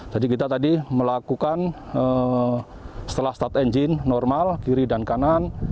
kita tadi melakukan setelah start engine normal kiri dan kanan